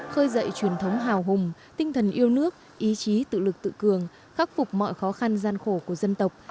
khơi dậy truyền thống hào hùng tinh thần yêu nước ý chí tự lực tự cường khắc phục mọi khó khăn gian khổ của dân tộc